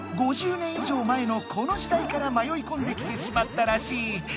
５０年以上前のこの時代からまよいこんできてしまったらしい。